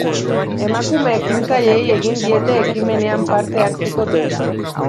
Emakume ekintzaileei egin diete ekimenean parte hartzeko deia.